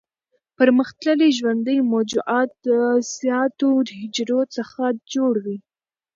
پرمختللي ژوندي موجودات د زیاتو حجرو څخه جوړ وي.